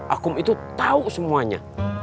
akum itu tau semuanya